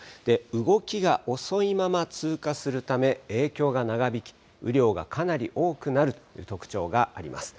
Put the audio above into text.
動きが遅いまま通過するため、影響が長引き、雨量がかなり多くなるという特徴があります。